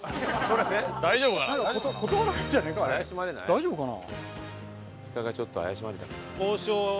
大丈夫かな？